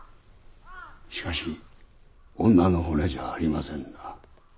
しかし女の骨じゃありませんな。